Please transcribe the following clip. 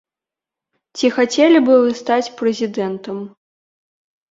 Ці хацелі б вы стаць прэзідэнтам?